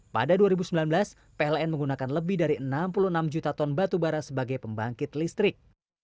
pada dua ribu sembilan belas pln menggunakan lebih dari enam puluh enam juta ton batubara sebagai pembangkit listrik